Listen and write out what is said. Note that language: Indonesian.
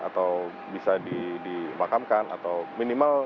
atau bisa dimakamkan atau minimal